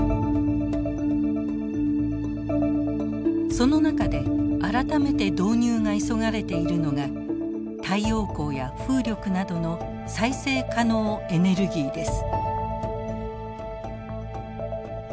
その中で改めて導入が急がれているのが太陽光や風力などの再生可能エネルギーです。